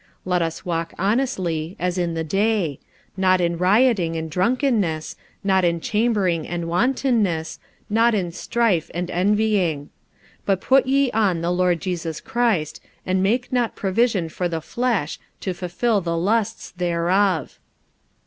45:013:013 Let us walk honestly, as in the day; not in rioting and drunkenness, not in chambering and wantonness, not in strife and envying. 45:013:014 But put ye on the Lord Jesus Christ, and make not provision for the flesh, to fulfil the lusts thereof.